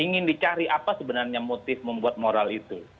ingin dicari apa sebenarnya motif membuat moral itu